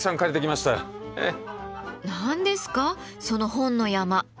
その本の山。